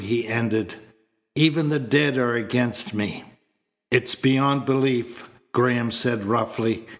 he ended. "Even the dead are against me." "It's beyond belief," Graham said roughly.